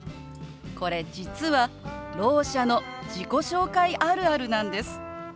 これ実はろう者の自己紹介あるあるなんです。